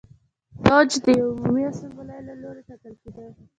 دوج د یوې عمومي اسامبلې له لوري ټاکل کېده.